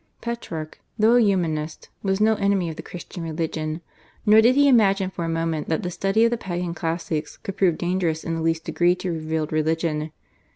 Petrarch, though a Humanist, was no enemy of the Christian religion, nor did he imagine for a moment that the study of the Pagan classics could prove dangerous in the least degree to revealed religion.